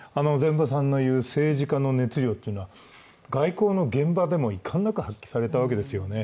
膳場さんの言う、政治家の熱量というのは、外交の現場でも遺憾なく発揮されたんですよね。